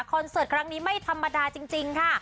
เสิร์ตครั้งนี้ไม่ธรรมดาจริงค่ะ